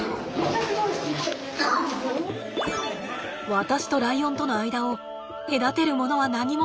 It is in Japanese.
私とライオンとの間を隔てるものは何もない。